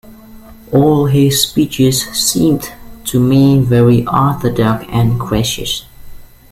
All his speeches seemed to me very orthodox and gracious.